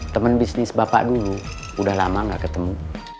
temen bisnis bapak dulu udah lama gak ketemu